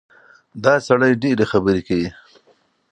دا سړی ډېرې خبرې کوي.